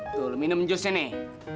tuh minum jusnya nih